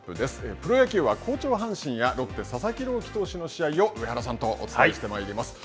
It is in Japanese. プロ野球は、好調阪神やロッテ佐々木朗希投手の試合を上原さんとお伝えします。